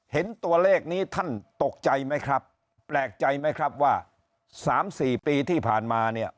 เห็นตัวเลขนี้ท่านตกใจไหมครับแปลกใจไหมครับว่า๓๔ปีที่ผ่านมาเนี่ย